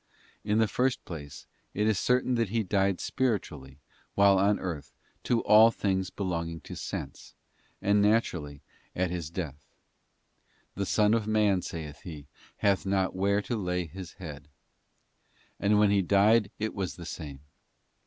In the first place, it is certain that He died spiritually while on earth to all things belonging to sense, and naturally at His death; 'The Son of man,' saith He, ' hath not where to lay His head.'{ And when He died it was the same.